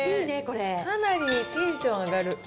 かなりテンション上がる。